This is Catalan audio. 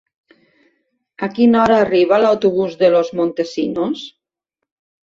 A quina hora arriba l'autobús de Los Montesinos?